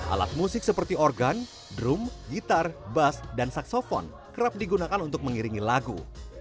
alat musik seperti organ drum gitar bas dan saksofon kerap digunakan untuk mengiringi lagu